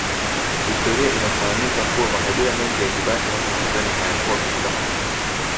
Historia inafahamika kuwa makabila mengi ya kibantu hapo mwanzoni hayakuwa katika makundi